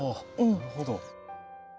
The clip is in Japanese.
なるほど。